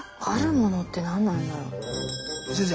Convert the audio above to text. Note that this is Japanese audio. あるものって何なんだろう？